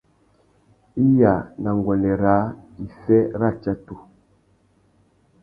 Iya na nguêndê râā, iffê râtsatu.